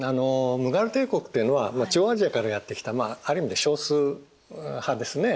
ムガル帝国っていうのは中央アジアからやって来たある意味で少数派ですね。